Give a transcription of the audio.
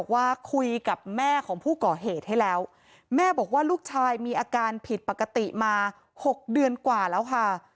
ว่าลูกชายมีอาการผิดปกติมา๖เดือนกว่าแล้วค่ะ